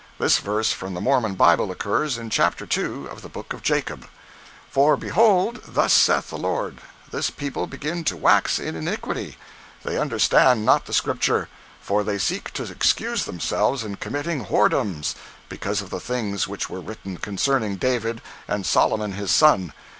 This verse from the Mormon Bible occurs in Chapter II. of the book of Jacob: For behold, thus saith the Lord, this people begin to wax in iniquity; they understand not the Scriptures; for they seek to excuse themselves in committing whoredoms, because of the things which were written concerning David, and Solomon his son.